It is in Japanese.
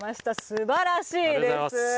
すばらしいです。